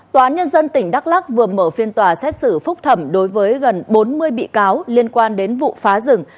tòa án nhân dân tỉnh đắk lắc vừa mở phiên tòa xét xử phúc thẩm đối với gần bốn mươi bị cáo liên quan đến vụ phá rừng